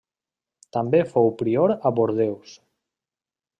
També fou prior a Bordeus.